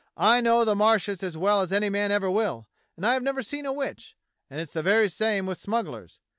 I know the Marshes as well as any man ever will, and I've never seen a witch, and it's the very same with smugglers.